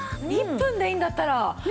１分でいいんだったらやります。